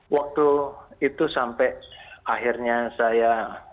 waktu itu sampai akhirnya saya